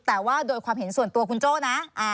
แต่ว่าโดยความเห็นส่วนตัวคุณโจ้นะ